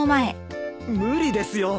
無理ですよ。